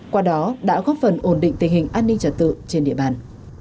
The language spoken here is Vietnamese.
qua đó đã góp phần ổn định tình hình an ninh trật tự trên địa bàn